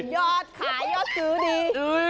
ยอดขายยอดซื้อดี